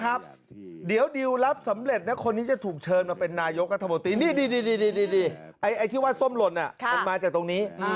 คืออย่างนี้คุณผู้ชมไอ้ส้มหล่นมันมาแบบนี้